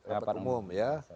rapat umum ya